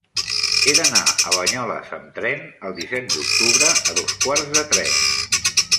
He d'anar a Banyoles amb tren el disset d'octubre a dos quarts de tres.